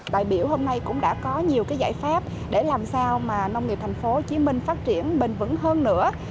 đại biểu hôm nay cũng đã có nhiều giải pháp để làm sao mà nông nghiệp tp hcm phát triển bền vững hơn nữa